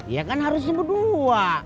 ya kan harus semua dua